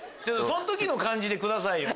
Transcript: その時の感じでくださいよ。